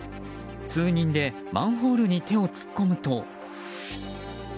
数人でマンホールに手を突っ込むと。